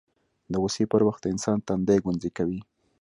د غوسې پر وخت د انسان تندی ګونځې کوي